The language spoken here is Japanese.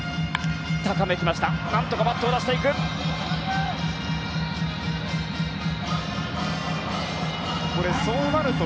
高めに来ましたが何とかバットを出していった。